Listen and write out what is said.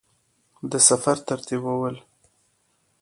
د سفر ترتیبول وه.